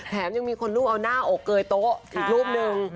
แถมยังมีคนรูปเอาหน้าอกเกยโต๊ะอีกรูปหนึ่ง